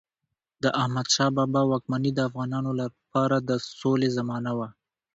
د احمدشاه بابا واکمني د افغانانو لپاره د سولې زمانه وه.